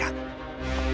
dia pergi untuk mencuri